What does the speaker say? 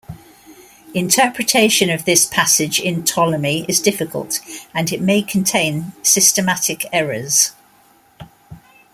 Interpretation of this passage in Ptolemy is difficult, and it may contain systematic errors.